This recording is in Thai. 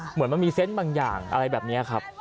เหมือนมันมีเซนต์บางอย่างอะไรแบบนี้ครับ